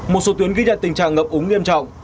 một số tuyến ghi nhận tình trạng ngập úng nghiêm trọng